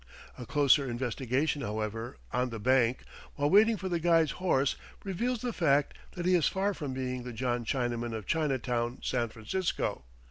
A closer investigation, however, on the bank, while waiting for the guide's horse, reveals the fact that he is far from being the John Chinaman of Chinatown, San Francisco.